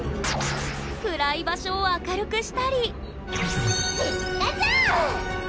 暗い場所を明るくしたりピカチュウ！